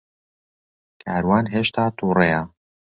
کاروان ھێشتا تووڕەیە.